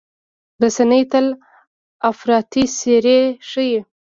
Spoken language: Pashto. رسنۍ تل افراطي څېرې ښيي.